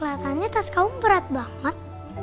diara keliatannya tas kamu berat banget